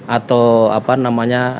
atau apa namanya